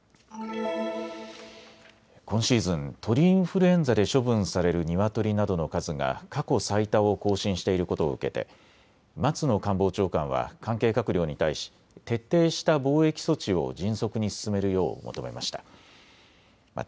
今シーズン、鳥インフルエンザで処分されるニワトリなどの数が過去最多を更新していることを受けて松野官房長官は関係閣僚に対し徹底した防疫措置を迅速に進めるよう求めました。